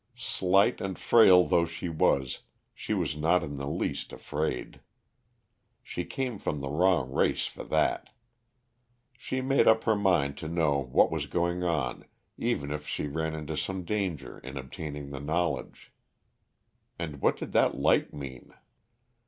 Slight and frail though she was, she was not in the least afraid. She came from the wrong race for that. She had made up her mind to know what was going on even if she ran some danger in obtaining the knowledge. And what did that light mean?